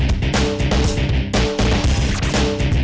yuk pakai tangan gue ya